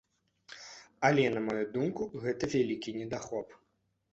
Але на маю думку, гэта вялікі недахоп.